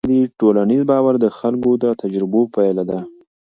ټولنیز باور د خلکو د تجربو پایله ده.